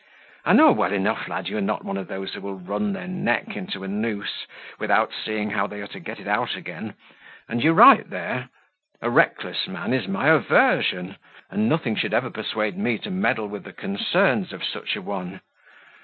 I know well enough, lad, you are not one of those who will run their neck into a noose without seeing how they are to get it out again, and you're right there. A reckless man is my aversion, and nothing should ever persuade me to meddle with the concerns of such a one.